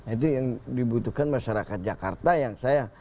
itu yang dibutuhkan masyarakat jakarta yang saya